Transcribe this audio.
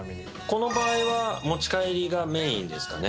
この場合は持ち帰りがメインですかね。